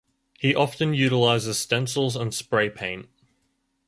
He often utilizes stencils and spray paint.